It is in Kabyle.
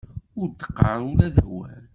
Ur d-qqar ula d awal.